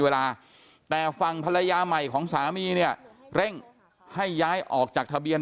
เวลาแต่ฝั่งภรรยาใหม่ของสามีเนี่ยเร่งให้ย้ายออกจากทะเบียน